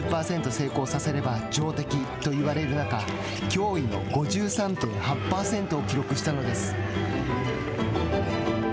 成功させれば上出来と言われる中脅威の５３．８％を記録したのです。